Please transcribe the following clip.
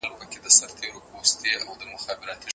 خپلواک څېړونکی د موضوع په انتخاب کي پوره ازاد دی.